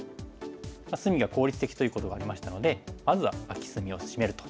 隅が効率的ということがありましたのでまずはアキ隅をシメると。